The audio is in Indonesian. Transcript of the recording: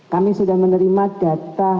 kami sudah menerima data